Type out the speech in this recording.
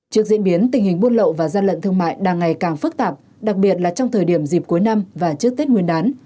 trước diễn biến tình hình buôn lậu và gian lận thương mại đang ngày càng phức tạp đặc biệt là trong thời điểm dịp cuối năm và trước tết nguyên đán